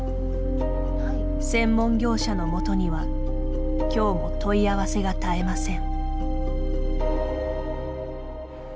専門業者の元にはきょうも問い合わせが絶えません。